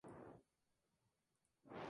No se encuentran más que raramente en Europa.